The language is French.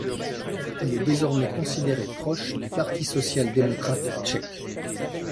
Il est désormais considéré proche du Parti social-démocrate tchèque.